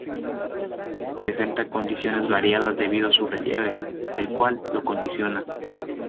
Presenta condiciones variadas debido a su relieve, el cual lo condiciona.